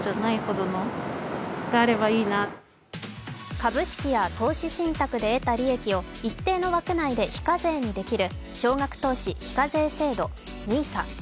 株式や投資信託で得た利益を一定の枠内で非課税にできる少額投資非課税制度＝ＮＩＳＡ。